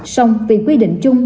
xong vì quy định chung